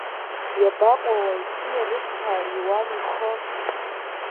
Иабаҟоу ауаҩ қьиа рыцҳа Лунин ихы?